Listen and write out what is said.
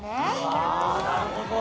あなるほど。